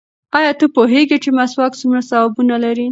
ایا ته پوهېږې چې مسواک څومره ثوابونه لري؟